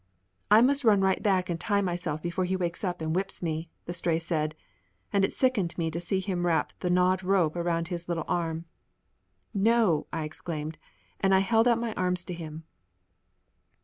"I must run right back and tie myself before he wakes up and whips me," the Stray said, and it sickened me to see him wrap the gnawed rope around his little arm. "No!" I exclaimed, and held out my arms to him.